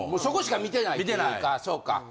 そこしか見てないっていうかそうか。